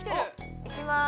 ◆いきまーす。